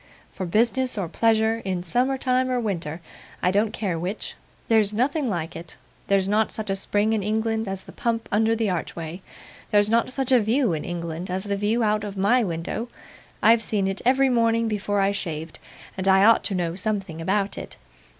For business or pleasure, in summer time or winter I don't care which there's nothing like it. There's not such a spring in England as the pump under the archway. There's not such a view in England as the view out of my window; I've seen it every morning before I shaved, and I ought to know something about it.